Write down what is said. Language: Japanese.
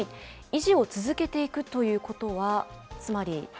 維持を続けていくということは、つまり。